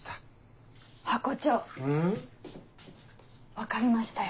分かりましたよ。